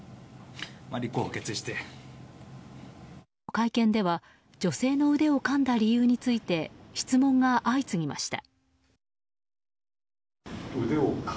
会見では女性の腕をかんだ理由について質問が相次ぎました。